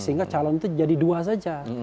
sehingga calon itu jadi dua saja